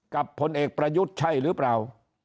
ผลเอกประยุทธ์ใช่หรือเปล่า